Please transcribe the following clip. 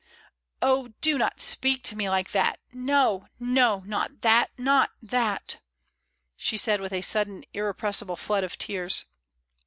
"Oh, do not speak to me like that. No, no, not that, not that," she said, with a sudden irrepres sible flood of tears.